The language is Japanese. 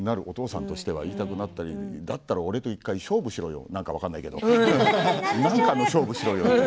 お父さんとしては言いたくなったりだったら俺と１回勝負しろよなんか分かんないけどなんかで勝負しろよ。